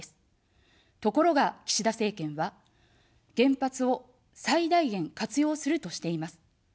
ところが、岸田政権は、原発を最大限活用するとしています。